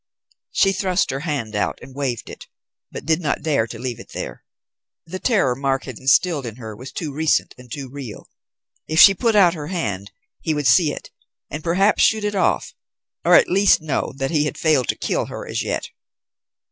She thrust her hand out and waved it, but did not dare leave it there. The terror Mark had instilled in her was too recent and too real. If she put out her hand, he would see it, and perhaps shoot it off; or at least know that he had failed to kill her as yet.